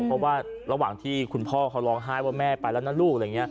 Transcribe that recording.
เพราะว่าระหว่างที่คุณพ่อเค้าร้องไห้คือแม่ไปละนะลูก